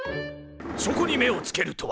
そこに目をつけるとは。